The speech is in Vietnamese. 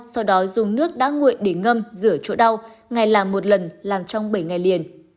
sau đó dùng nước đã nguội để ngâm rửa chỗ đau ngày làm một lần làm trong bảy ngày liền